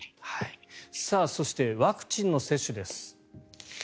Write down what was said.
そしてワクチンの接種です。